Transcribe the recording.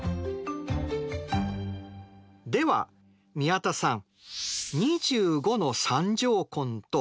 では宮田さん